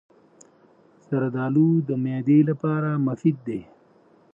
زردالو د معدې لپاره مفید دی.